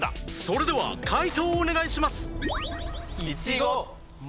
それでは解答をお願いします！